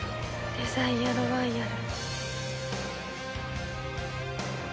デザイアロワイヤル。